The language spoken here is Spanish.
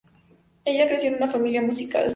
Ella creció en una familia musical.